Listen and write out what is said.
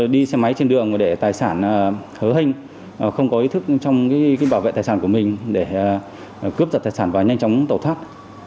đi xe máy trên đường để tài sản thớ hinh không có ý thức trong bảo vệ tài sản của mình để cướp giật tài sản và nhanh chóng tẩu thoát